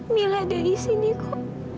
mila ada disini kok